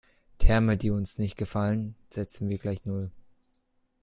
Terme, die uns nicht gefallen, setzen wir gleich null.